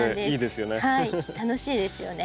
楽しいですよね。